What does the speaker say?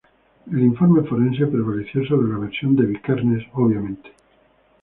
El informe forense prevaleció sobre la versión de Vikernes, obviamente.